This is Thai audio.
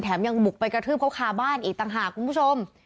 เพราะว่าเขาขาบ้านอีกต่างหากว่าคุณผู้ชม